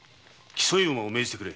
競い馬を命じてくれ。